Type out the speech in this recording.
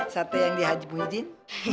sate yang di haji muhyiddin